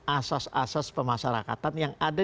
asas asas pemasarakatan yang ada